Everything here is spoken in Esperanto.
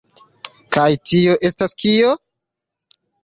Kaj tio estas kio?